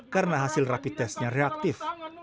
karena hasil rapi tesnya reaktif